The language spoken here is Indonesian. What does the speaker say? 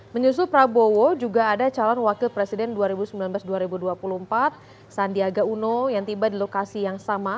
menyusul prabowo juga ada calon wakil presiden dua ribu sembilan belas dua ribu dua puluh empat sandiaga uno yang tiba di lokasi yang sama